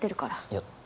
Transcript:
いや